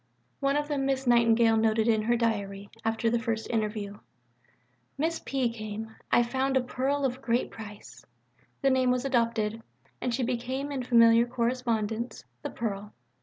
Of one of them Miss Nightingale noted in her diary, after the first interview: "Miss P. came. I have found a pearl of great price." The name was adopted, and she became in familiar correspondence "The Pearl."